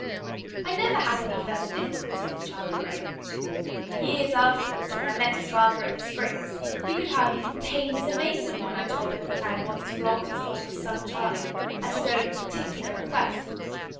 I never had any further difficulty with Charlie Graham. Years afterwards, when I met his father at the Springs, he could hardly contain his amazement when I told him that I had once flogged his oldest son Charlie, at his own particular request.